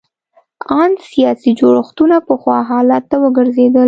ان سیاسي جوړښتونه پخوا حالت ته وګرځېدل.